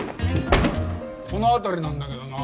この辺りなんだけどな。